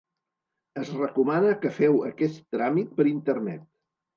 Es recomana que feu aquest tràmit per Internet.